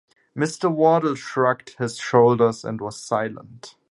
Mr. Wardle shrugged his shoulders, and was silent.